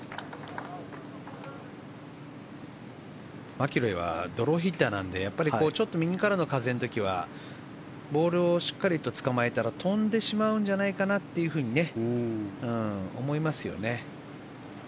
マキロイはドローヒッターなのでちょっと右からの風の時はボールをしっかりとつかまえたら飛んでしまうんじゃないかというふうに思いますよね。